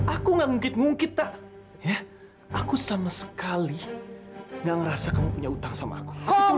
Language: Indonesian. aku nggak ngungkit ngungkit tak ya aku sama sekali nggak ngerasa kamu punya utang sama aku aku tulus